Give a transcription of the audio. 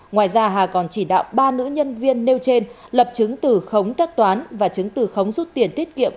ngoài ra hà còn chỉ đạo ba nữ nhân viên nêu trên lập chứng từ khống tất toán và chứng từ khống rút tiền tiết kiệm